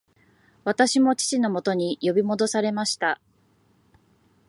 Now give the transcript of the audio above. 私も父のもとに呼び戻されました